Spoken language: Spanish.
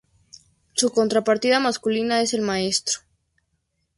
Su contrapartida masculina es el maestro.